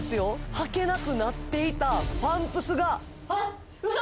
履けなくなっていたパンプスがあウソ！？